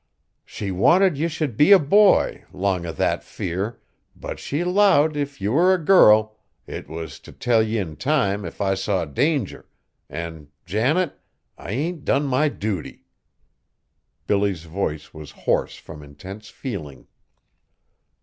She wanted ye should be a boy 'long o' that fear, but she 'lowed if ye were a girl, I was t' tell ye in time if I saw danger, an', Janet, I ain't done my duty!" Billy's voice was hoarse from intense feeling.